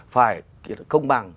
phải công bằng